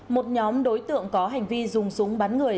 một nhóm đối tượng có hành vi dùng súng bắn người